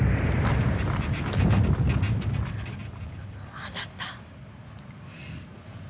あなた。